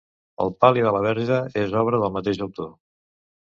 El pal·li de la Verge és obra del mateix autor.